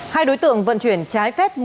hai đối tượng vận chuyển trái phép